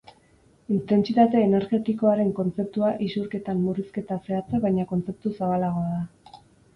Intentsitate energetikoaren kontzeptua isurketen murrizketa zehatza baina kontzeptu zabalagoa da.